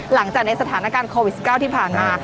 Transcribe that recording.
หลังจากในสถานการณ์โควิด๑๙ที่ผ่านมา